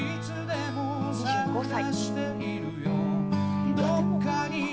２５歳。